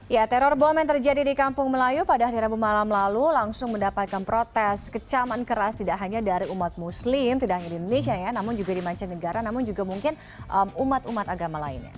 ya teror bom yang terjadi di kampung melayu pada hari rabu malam lalu langsung mendapatkan protes kecaman keras tidak hanya dari umat muslim tidak hanya di indonesia ya namun juga di mancanegara namun juga mungkin umat umat agama lainnya